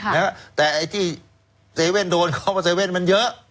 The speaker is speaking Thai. ใช่ค่ะแต่ไอ้ที่เซเว้นโดนเช่าว่าเซเว้นมันเยอะอืม